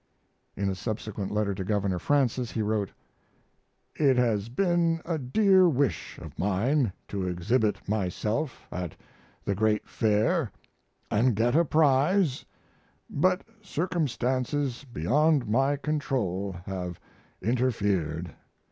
In a subsequent letter to Governor Francis he wrote: It has been a dear wish of mine to exhibit myself at the great Fair & get a prize, but circumstances beyond my control have interfered....